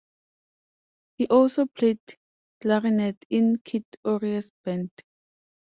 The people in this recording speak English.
He also played clarinet in Kid Ory's band.